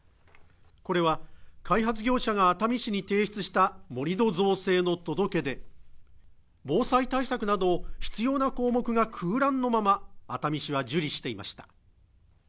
これは開発業者が熱海市に提出した盛り土造成の届け出防災対策など必要な項目が空欄のまま熱海市は受理していました